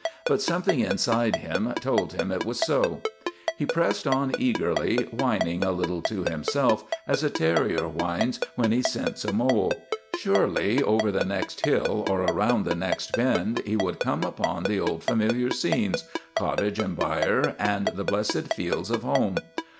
But something inside him told him it was so. He pressed on eagerly, whining a little to himself as a terrier whines when he scents a mole. Surely, over the next hill, or around the next bend, he would come upon the old, familiar scenes cottage and byre and the blessed fields of home.